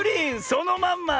そのまんま！